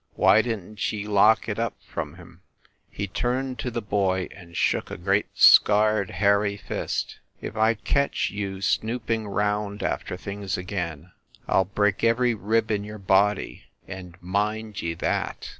Why didn t ye lock it up from him ?" He turned to the boy and shook a great scarred hairy fist. "If I ketch you snooping round after things again, I ll break every PROLOGUE 5 rib in your body, and mind ye that!"